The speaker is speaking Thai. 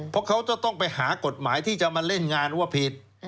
เพราะเขาจะต้องไปหากฎหมายที่จะมาเล่นงานว่าผิด